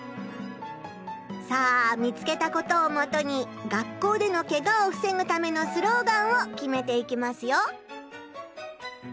さあ見つけたことをもとに学校でのケガを防ぐためのスローガンを決めていきますよ。